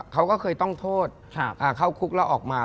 เขาก็เคยต้องโทษเข้าคุกแล้วออกมา